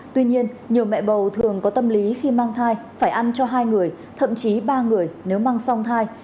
tuy nhiên nhiều mẹ bầu thường có tâm lý khi mang thai phải ăn cho hai người thậm chí ba người nếu mang song thai